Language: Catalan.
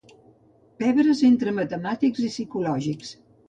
Pebres entre matemàtics i piscològics.